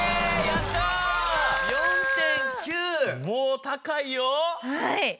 もう高いよ。